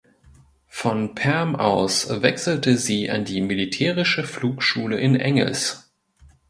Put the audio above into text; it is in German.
Von Perm aus wechselte sie an die militärische Flugschule in Engels.